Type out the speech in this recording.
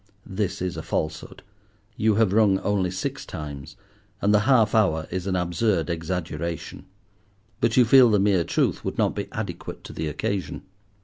(This is a falsehood. You have rung only six times, and the "half hour" is an absurd exaggeration; but you feel the mere truth would not be adequate to the occasion.)